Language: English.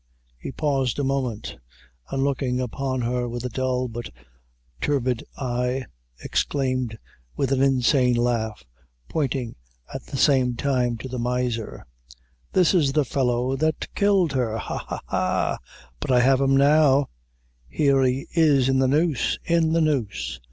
He paused a moment, and looking upon her with a dull but turbid eye, exclaimed with an insane laugh, pointing at the same time, to the miser "This is the fellow that killed her ha, ha, ha, but I have him now here he is in the noose; in the noose.